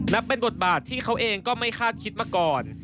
นับเป็นบทบาทที่เขาเองก็ไม่คาดคิดมาก่อน